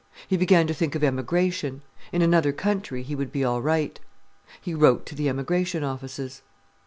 He began to think of emigration. In another country he would be all right. He wrote to the emigration offices.